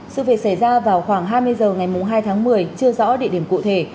sự việc xảy ra vào khoảng hai mươi h ngày hai tháng một mươi chưa rõ địa điểm cụ thể